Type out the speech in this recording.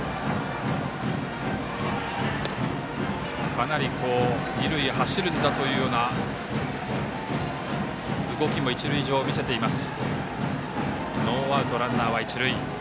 かなり二塁へ走るんだというような動きも一塁上、見せています。